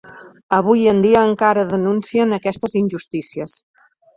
Avui en dia encara denuncien aquestes injustícies.